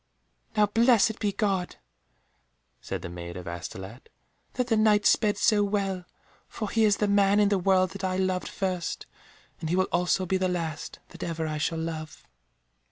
"Now blessed be God," said the Maid of Astolat, "that that Knight sped so well, for he is the man in the world that I loved first, and he will also be the last that ever I shall love."